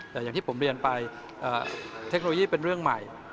แต่อย่างที่ผมเรียนไปเทคโนโลยีเป็นเรื่องใหม่